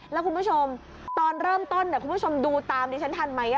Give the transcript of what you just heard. แล้วคุณผู้ชมตอนเริ่มต้นคุณผู้ชมดูตามดิฉันทันไหม